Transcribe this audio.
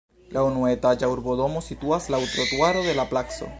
La unuetaĝa urbodomo situas laŭ trotuaro de la placo.